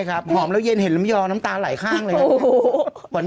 ใช่ครับห่วมแล้วยิ้นเห็นลำยาวหน้าตาไหลข้างเลย